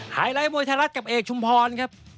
ไลท์มวยไทยรัฐกับเอกชุมพรครับ